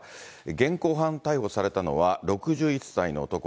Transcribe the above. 現行犯逮捕されたのは６１歳の男。